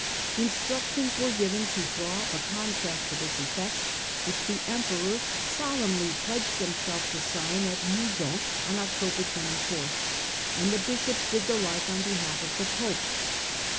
Instruc tions were given to draw up a contract to this effect, which the emperor solemnly pledged himself to sign at Mouzon on October 24, and the bishops did the like on behalf of the pope.